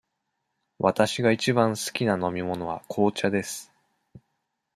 わたしがいちばん好きな飲み物は紅茶です。